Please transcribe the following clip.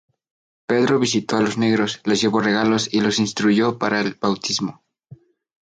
Pedro visitó a los negros, les llevó regalos y los instruyó para el bautismo.